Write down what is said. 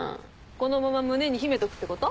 このまま胸に秘めとくってこと？